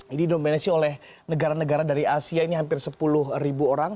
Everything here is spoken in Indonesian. ini didominasi oleh negara negara dari asia ini hampir sepuluh orang